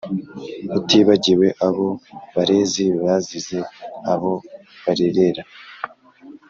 Utibagiwe abo barezi Bazize abo barerera !